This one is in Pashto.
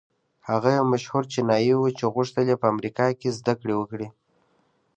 هغه يو مشهور چينايي و چې غوښتل يې په امريکا کې زدهکړې وکړي.